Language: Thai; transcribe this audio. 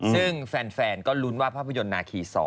ซึ่งแฟนก็ลุ้นว่าภาพยนตร์นาคี๒